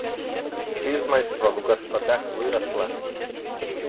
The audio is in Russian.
Сызмальства в господах выросла.